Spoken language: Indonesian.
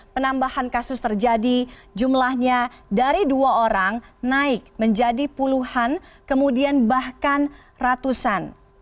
penambahan kasus terjadi jumlahnya dari dua orang naik menjadi puluhan kemudian bahkan ratusan